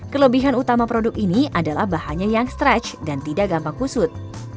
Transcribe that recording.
kelebihan utama produk ini adalah bahannya yang stretch dan tidak gampang kusut